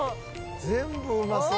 「全部うまそう」